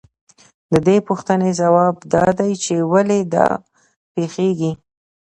د دې پوښتنې ځواب دا دی چې ولې دا پېښېږي